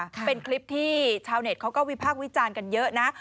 เป็นคลิปที่ชาวเน็ตเขาก็วิพากษ์วิจารณ์กันเยอะนะ